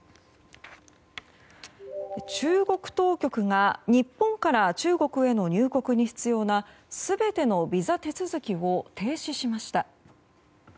中国当局が日本から中国への入国に必要な全てのビザ手続きを停止しました。